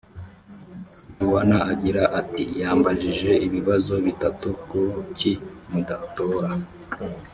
juana agira ati yambajije ibibazo bitatu kuki mudatora